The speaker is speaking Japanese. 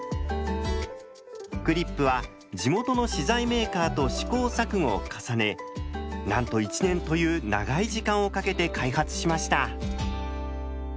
クリップは地元の資材メーカーと試行錯誤を重ねなんと１年という長い時間をかけて開発しました。